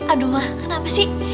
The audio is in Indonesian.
aduh ma kenapa sih